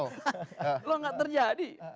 kalau gak terjadi